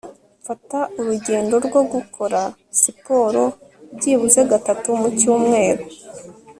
Mfata urugendo rwo gukora siporo byibuze gatatu mu cyumweru